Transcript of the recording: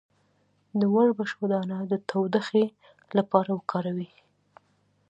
د وربشو دانه د تودوخې لپاره وکاروئ